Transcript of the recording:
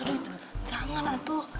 aduh jangan atuh